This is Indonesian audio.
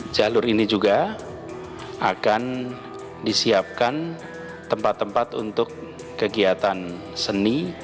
jalur ini juga akan disiapkan tempat tempat untuk kegiatan seni